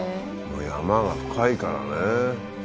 山が深いからね